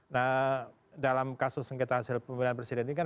nah dalam kasus sengketa hasil pemilihan presiden ini kan